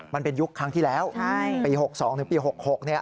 มันเป็นยุคครั้งที่แล้วปี๖๒ถึงปี๖๖เนี่ย